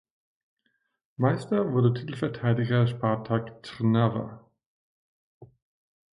Meister wurde Titelverteidiger Spartak Trnava.